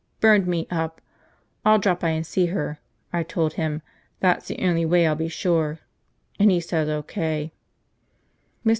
Burned me up! I'll drop by and see her, I told him, that's the only way I'll be sure. And he says O.K." Mr.